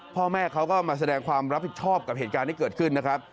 พ่อแม่เขาก็มาแสดงความรับผิดชอบกับเหตุการณ์ที่เกิดขึ้นนะครับ